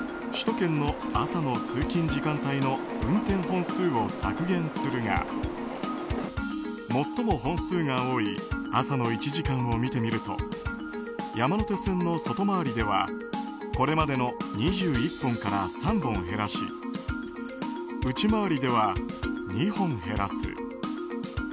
ＪＲ東日本は首都圏の朝の通勤時間帯の運転本数を削減するが最も本数が多い朝の１時間を見てみると山手線の外回りではこれまでの２１本から３本減らし内回りでは２本減らす。